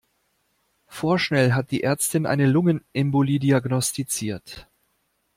Vorschnell hat die Ärztin eine Lungenembolie diagnostiziert.